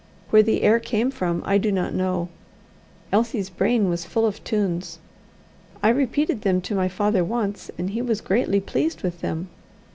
Where the air came from, I do not know: Elsie's brain was full of tunes. I repeated them to my father once, and he was greatly pleased with them.